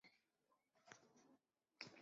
次年改任泰宁镇总兵。